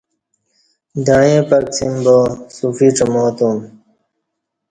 دعیں پکڅیم باصوفی ڄماتم